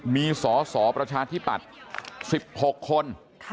มีสอสอประชาธิปัตย์๑๖คน